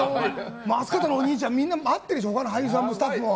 松方のお兄ちゃん、みんな待ってるし他の俳優さんとスタッフも。